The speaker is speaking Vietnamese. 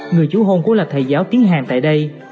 người chú hôn của là thầy giáo tiếng hàn tại đây